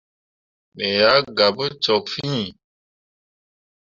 Me ah gah pu cok fîi.